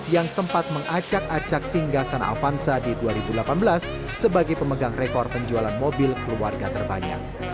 yang sempat mengacak acak singgah sana avanza di dua ribu delapan belas sebagai pemegang rekor penjualan mobil keluarga terbanyak